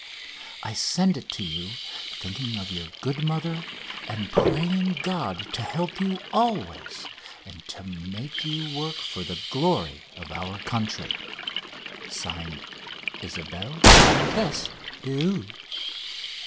"I send it to you, thinking of your good mother, and praying God to help you always and to make you work for the glory of our country. (Signed) "ISABEL, COMTESSE D'EU."